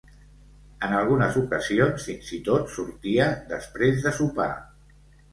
En algunes ocasions fins i tot sortia després de sopar.